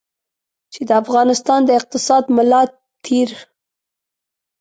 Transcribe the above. چې د افغانستان د اقتصاد ملا تېر.